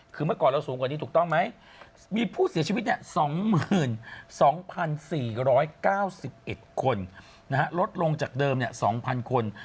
คือเมื่อก่อนเราสูงกว่านี้ถูกต้องไหมมีผู้เสียชีวิต๒๒๔๙๑คนลดลงจากเดิม๒๐๐คน